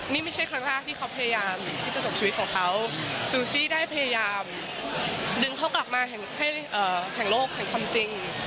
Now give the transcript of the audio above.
นี่ไม่ใช่ครั้งแรกที่เขาพยายามที่จะจบชีวิตของเขาซูซี่ได้พยายามดึงเขากลับมาแห่งโลกแห่งความจริง